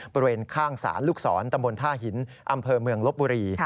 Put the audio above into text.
บริเวณข้างศาลลูกศรตำบลท่าหินอำเภอเมืองลบบุรี